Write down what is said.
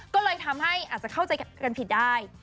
ก็เลยทำให้อาจจะเข้าใจกันผิดได้